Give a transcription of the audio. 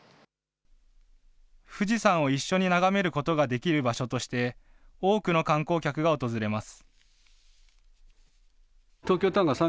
富士山を一緒に眺めることができる場所として、多くの観光客が訪れます。